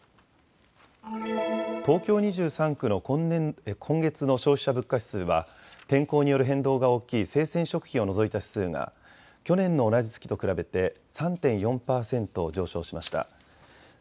東京２３区の今月の消費者物価指数は天候による変動が大きい生鮮食品を除いた指数が去年の同じ月と比べて３．４％上昇しました。